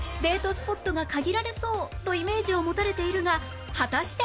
スポットが限られそうとイメージを持たれているが果たして？